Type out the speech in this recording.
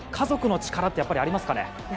家族の力ってやっぱりありますか？